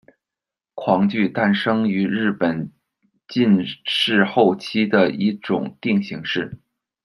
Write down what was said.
狂句诞生于日本近世后期的一种定型诗。